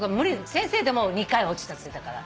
先生でも２回は落ちたっつってたから。